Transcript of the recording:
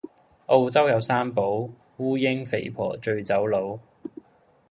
澳洲有三寶，烏蠅肥婆醉酒佬